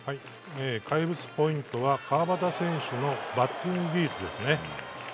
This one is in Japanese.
怪物ポイントは、川端選手のバッティング技術ですね。